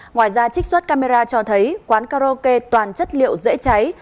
ngoài ra trích xuất camera cho thấy quán karaoke toàn chất liệu dễ cháy